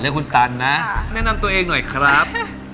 คุณตันนะแนะนำตัวเองหน่อยครับ